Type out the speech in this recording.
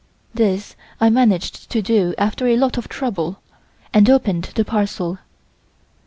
This I managed to do after a lot of trouble, and opened the parcel.